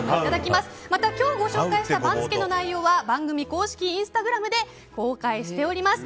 また今日ご紹介した番付の内容は番組公式インスタグラムで公開しています。